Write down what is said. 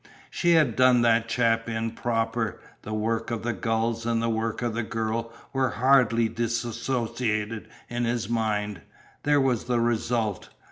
She had done that chap in proper; the work of the gulls and the work of the girl were hardly dissociated in his mind there was the Result.